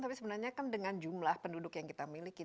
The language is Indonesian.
tapi sebenarnya kan dengan jumlah penduduk yang kita miliki